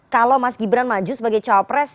kalau mas gibran maju sebagai cowok pres